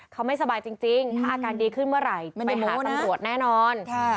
เขาไม่สบายจริงถ้าอาการดีขึ้นเมื่อไหร่ไปหาตำรวจแน่นอน